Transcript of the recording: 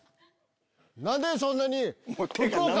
何でそんなに福岡。